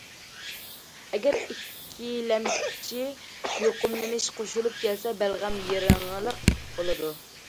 ئەگەر ئىككىلەمچى يۇقۇملىنىش قوشۇلۇپ كەلسە، بەلغەم يىرىڭلىق بولىدۇ.